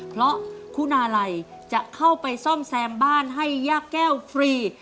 เพราะคุณาลัยจะเข้าไปซ่อมแซมบ้านให้ย่าแก้วฟรี